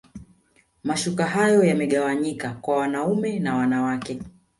mashuka hayo yamegawanyika kwa wanaume na wanawake